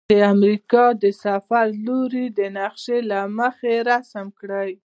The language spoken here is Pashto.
د امریکا د سفر لوري د نقشي له مخې رسم کړئ.